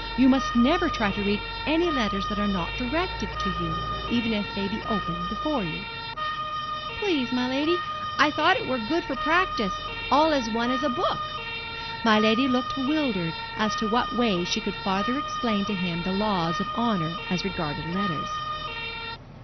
You must never try to read any letters that are not directed to you, even if they be open before you." "Please, may lady, I thought it were good for practice, all as one as a book." My lady looked bewildered as to what way she could farther explain to him the laws of honour as regarded letters.